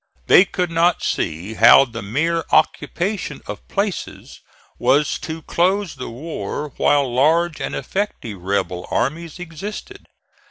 They could not see how the mere occupation of places was to close the war while large and effective rebel armies existed.